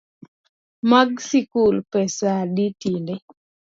Bag sikul pesa adi tinde?